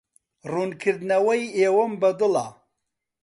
ڕوونکردنەوەی ئێوەم بەدڵە.